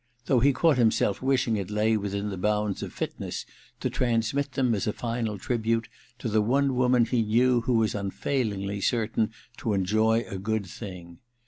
— ^though he caught himself wishing it y within the bounds of fitness to transmit them, as a final tribute, to the one woman he knew who was unfailingly certain to enjoy a good thing.